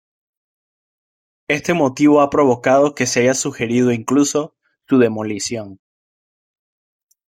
Este motivo ha provocado que se haya sugerido incluso, su demolición.